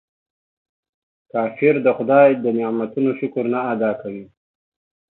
کافر د خداي د نعمتونو شکر نه ادا کوي.